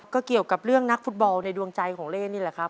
ก็เกี่ยวกับเรื่องนักฟุตบอลในดวงใจของเล่นนี่แหละครับ